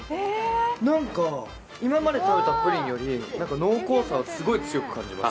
なんか今まで食べたプリンより濃厚さを強く感じます。